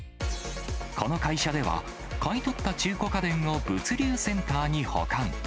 この会社では、買い取った中古家電を物流センターに保管。